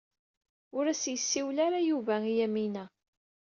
Ur as-yessiwel ara Yuba i Yamina.